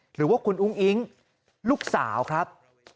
หรือว่าคุณอุ้งอิ๊งลูกสาวครับ